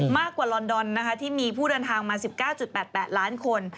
มากกว่าลอนดอนนะคะที่มีผู้เดินทางมา๑๙๘๘ล้านคน